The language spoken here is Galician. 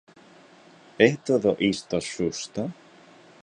¿É todo isto xusto?